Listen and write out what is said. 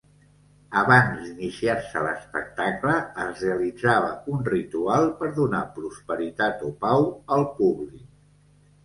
Abans d'iniciar-se l'espectacle es realitzava un ritual per donar prosperitat o pau al públic.